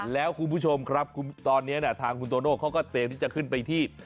แล้วคุณผู้ชมครับตอนนี้ทางคุณโตโน่เขาก็เตรียมที่จะขึ้นไปที่